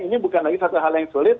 ini bukan lagi satu hal yang sulit